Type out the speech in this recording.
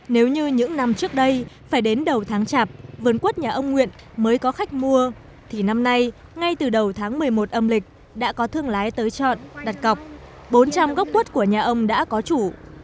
nếu như những năm trước đây phải đến đầu tháng chạp vườn quất nhà ông nguyện mới có khách mua thì năm nay ngay từ đầu tháng một mươi một âm lịch đã có thương lái tới chọn đặt cọc bốn trăm linh gốc quất của nhà ông đã có chủ